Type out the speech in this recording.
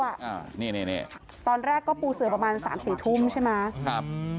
อ่านี่นี่ตอนแรกก็ปูเสือประมาณสามสี่ทุ่มใช่ไหมครับ